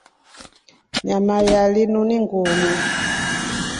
Nyama ya linu ni ngiumu.